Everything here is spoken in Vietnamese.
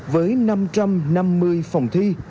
với năm trăm năm mươi phòng thi